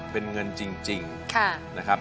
เป็นเงินจริงนะครับ